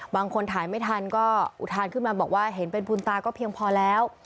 บางคนถ่ายไม่ทันก็อุทานขึ้นมาบอกว่าเห็นเป็นบุญตาก็เพียงพอแล้ว